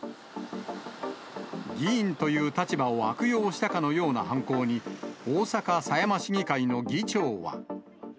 議員という立場を悪用したかのような犯行に、大阪狭山市議会の議長は。